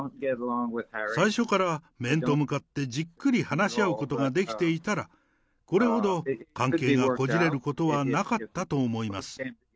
最初から面と向かってじっくり話し合うことができていたら、これほど関係がこじれることはなかったと思います。